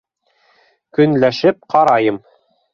Көнләшеп ҡарайым